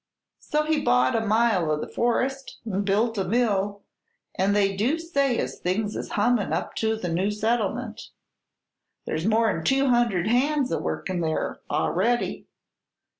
So he bought a mile o' forest an' built a mill, an' they do say things is hummin' up to the new settlement. There's more'n two hundred hands a workin' there, a'ready."